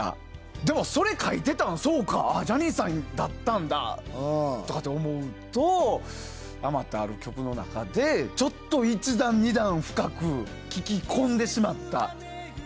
でも、それ書いてたん、そうかジャニーさんだったんだって思うとあまたある曲の中でちょっと１段２段深く聴き込んでしまった。